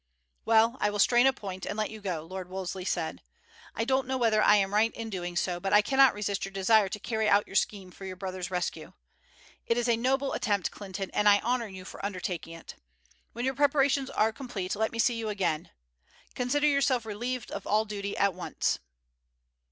"Well, I will strain a point and let you go," Lord Wolseley said. "I don't know whether I am right in doing so, but I cannot resist your desire to carry out your scheme for your brother's rescue. It is a noble attempt, Clinton, and I honour you for undertaking it. When your preparations are complete let me see you again. Consider yourself relieved of all duty at once."